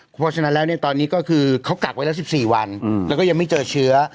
เพราะฉะนั้นแล้วเนี่ยตอนนี้ก็คือเขากักไว้แล้ว๑๔วันแล้วก็ยังไม่เจอเชื้อ